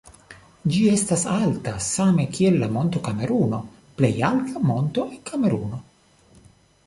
Ĝi estas alta, same kiel la Monto Kameruno, plej alta monto en Kameruno.